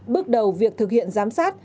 bước đầu việc thực hiện giám sát